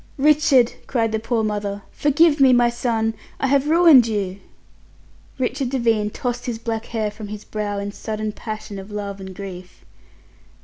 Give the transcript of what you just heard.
"Richard!" cried the poor mother. "Forgive me, my son! I have ruined you." Richard Devine tossed his black hair from his brow in sudden passion of love and grief.